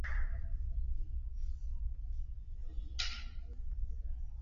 Kutokwa jasho na kuhara